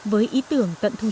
với ý tưởng tận thu